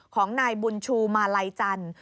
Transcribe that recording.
ของนายบุญชูมาลัยจันทร์